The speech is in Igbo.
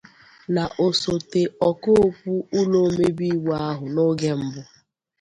na osote ọka okwu ụlọ omebe iwu ahụ n'oge mbụ